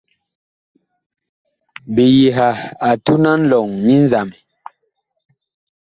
Biyiha a tun a nlɔŋ nyi nzamɛ.